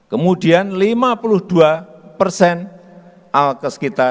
kemudian lima puluh dua persen alkes kita